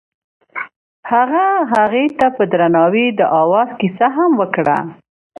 هغه هغې ته په درناوي د اواز کیسه هم وکړه.